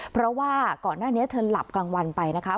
เพราะว่าก่อนหน้านี้เธอหลับกลางวันไปนะคะ